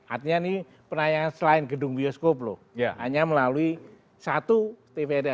artinya ini penayangan selain gedung bioskop loh hanya melalui satu tv aja